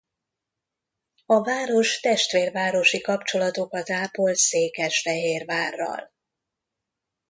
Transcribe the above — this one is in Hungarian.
A város testvérvárosi kapcsolatokat ápol Székesfehérvárral.